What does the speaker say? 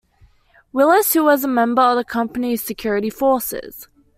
Willis, who was a member of the company's security forces.